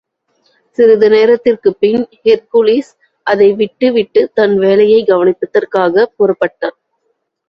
சிறிது நேரத்திற்குப்பின், ஹெர்க்குலிஸ் அதை, விட்டு விட்டுத் தன் வேலையைக் கவனிப்பததற்காகப் புறப்பட்டான்.